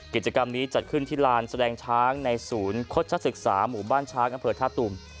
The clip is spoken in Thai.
กิจกรรมนี้จัดขึ้นที่ลานแสดงช้างในศูนย์โฆษศึกษาหมู่บ้านช้างอำเภอท่าตูม